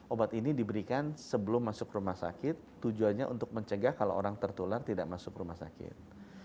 obat ini diberikan sebelum masuk rumah sakit tujuannya untuk mencegah kalau orang tertular tidak masuk rumah sakit